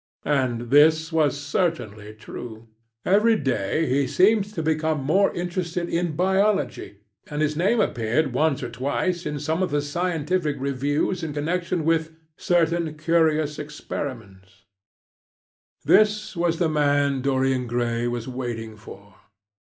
And this was certainly true. Every day he seemed to become more interested in biology, and his name appeared once or twice in some of the scientific reviews in connection with certain curious experiments. This was the man Dorian Gray was waiting for.